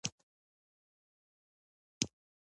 که هر څو یې سمومه نه سمېږي.